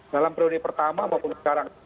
dalam periode pertama maupun sekarang